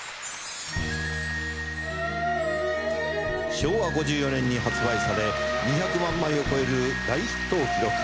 昭和５４年に発売され２００万枚を超える大ヒットを記録。